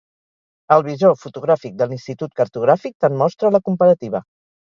El visor fotogràfic de l'Institut Cartogràfic te'n mostra la comparativa.